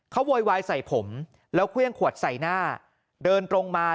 เขาโวยวายใส่ผมแล้วเครื่องขวดใส่หน้าเดินตรงมา